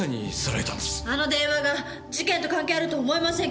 あの電話が事件と関係あるとは思えませんけど。